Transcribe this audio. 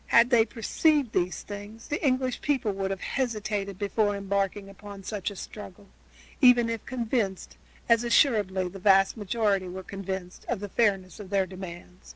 Had they perceived these things the English people would have hesitated before embarking upon such a struggle, even if convinced, as assuredly the great majority were convinced, of the fairness of their demands.